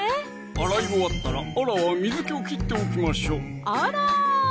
洗い終わったらあらは水気を切っておきましょうあら！